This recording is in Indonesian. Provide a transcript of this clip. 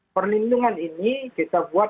perlindungan ini kita buat